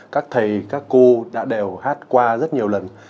các thầy các cô đã đều hát qua rất nhiều lần